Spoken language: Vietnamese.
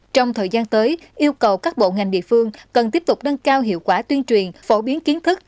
trong thời gian tới yêu cầu các bộ ngành địa phương cần tiếp tục nâng cao hiệu quả tuyên truyền phổ biến kiến thức